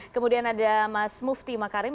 kemudian ada mas mufti makarim